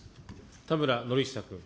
田村憲久君。